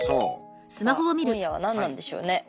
さあ今夜は何なんでしょうね。